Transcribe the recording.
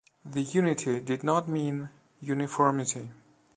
The unity did not mean uniformity.